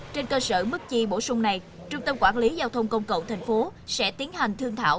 trên cơ sở mức chi bổ sung này trung tâm quản lý giao thông công cộng tp hcm sẽ tiến hành thương thảo